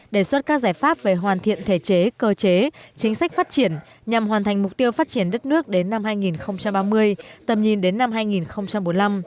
đề xuất các giải pháp về hoàn thiện thể chế cơ chế chính sách phát triển nhằm hoàn thành mục tiêu phát triển đất nước đến năm hai nghìn ba mươi tầm nhìn đến năm hai nghìn bốn mươi năm